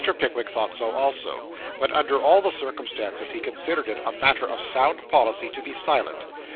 Pickwick thought so also; but, under all the circumstances, he considered it a matter of sound policy to be silent.